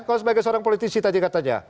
kalau sebagai seorang politisi tadi katanya